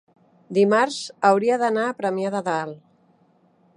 dimarts hauria d'anar a Premià de Dalt.